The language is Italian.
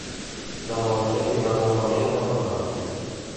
La volpe era nuovamente affamata.